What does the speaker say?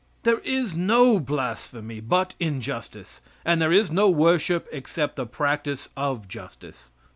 There is no blasphemy but injustice, and there is no worship except the practice of justice.